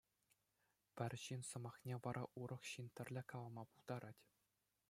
Пӗр ҫын сӑмахне вара урӑх ҫын тӗрлӗ калама пултарать.